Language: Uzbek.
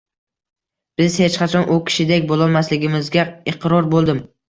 Biz hech qachon u kishidek bo’lolmasligimizga iqror bo’ldim.